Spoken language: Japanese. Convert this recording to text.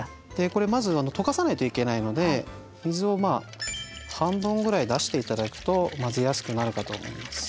これまず溶かさないといけないので水を半分ぐらい出して頂くと混ぜやすくなるかと思います。